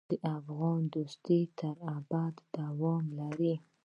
د افغان دوستي تر ابده دوام لري.